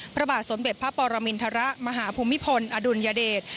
พระบาทสมเด็จพระปรมินทรมาหาภูมิพลอดุลยเดช